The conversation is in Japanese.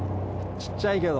ちっちゃいけど。